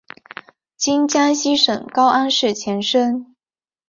今江西省高安市前身。